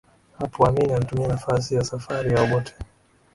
Hapo Amin alitumia nafasi ya safari ya Obote